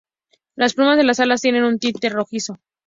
Las plumas de las alas tienen un tinte rojizo.